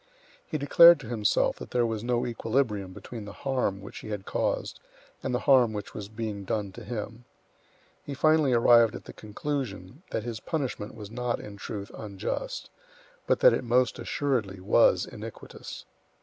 He declared to himself that there was no equilibrium between the harm which he had caused and the harm which was being done to him; he finally arrived at the conclusion that his punishment was not, in truth, unjust, but that it most assuredly was iniquitous.